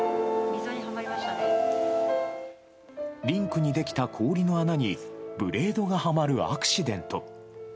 リンクに出来た氷の穴に、ブレードがはまるアクシデント。